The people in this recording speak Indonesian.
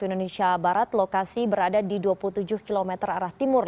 indonesia barat lokasi berada di dua puluh tujuh km arah timur